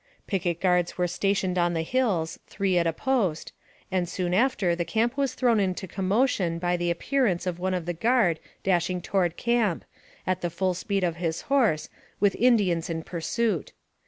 Picket guards were stationed on the hills, three at a post, and soon after the camp was thrown into commotion by the appear ance of one of the guard dashing toward camp, at the full speed of his horse, with Indians in pursuit.